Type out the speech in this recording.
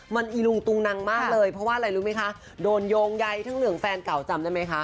มันอีลุงตุงนังมากเลยเพราะว่าอะไรรู้ไหมคะโดนโยงใยทั้งเหลืองแฟนเก่าจำได้ไหมคะ